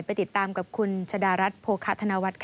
ไปติดตามกับคุณชดารัสโภษฎาทนวัฒน์เล่ว